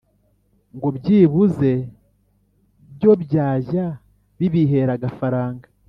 ngo byibuze byo byajya bibihera agafaranga.